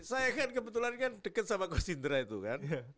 saya kebetulan deket sama khoz indra itu kan